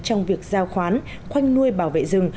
trong việc giao khoán khoanh nuôi bảo vệ rừng